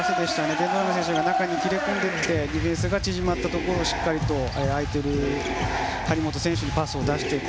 ベンドラメ選手が中に切り込んでいってディフェンスが縮まったところをしっかりと空いている張本選手にパスを出していった。